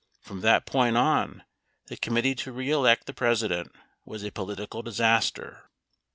From that point on, the Committee To Re Elect the President was a political disaster.